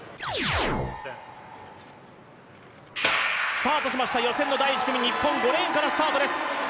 スタートしました予選の第１組、日本５レーンからスタートです。